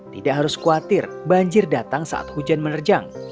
tidak harus khawatir banjir datang saat hujan menerjang